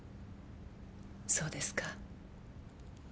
そうですか。